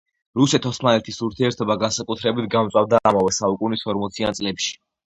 რუსეთ-ოსმალეთის ურთიერთობა განსაკუთრებით გამწვავდა ამავე საუკუნის ორმოციან წლებში.